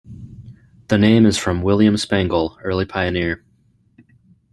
The name is from William Spangle, early pioneer.